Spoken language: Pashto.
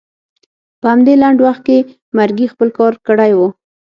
په همدې لنډ وخت کې مرګي خپل کار کړی و.